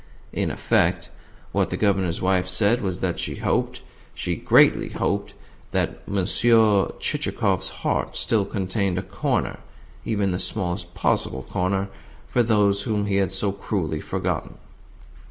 In effect, what the Governor's wife said was that she hoped she greatly hoped that Monsieur Chichikov's heart still contained a corner even the smallest possible corner for those whom he had so cruelly forgotten.